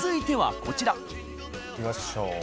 いきましょう。